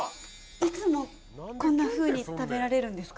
いつもこんなふうに食べられるんですか？